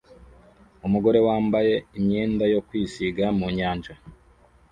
Umugore wambaye imyenda yo kwisiga mu nyanja